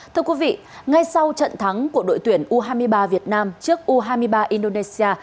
thưa quý vị ngay sau trận thắng của đội tuyển u hai mươi ba việt nam trước u hai mươi ba indonesia